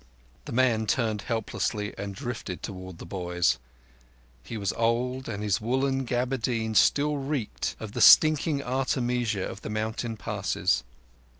The man turned helplessly and drifted towards the boys. He was old, and his woollen gaberdine still reeked of the stinking artemisia of the mountain passes.